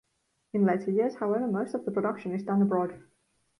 In later years, however, most of the production is done abroad.